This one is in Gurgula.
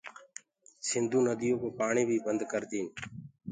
سنڌو نديو ڪو پآڻي بي بند ڪردين